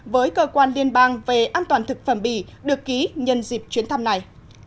với cơ quan liên bang về an toàn thực phẩm bỉ được ký nhân dịp chuyến thăm này